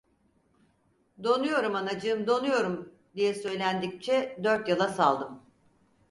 Donuyorum anacığım, donuyorum! diye söylendikçe dört yana saldım.